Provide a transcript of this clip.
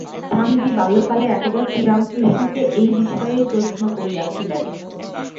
স্বামীজী বাল্যকালে একদা শ্রীরামকৃষ্ণকে এই বিষয়েই প্রশ্ন করিয়াছিলেন।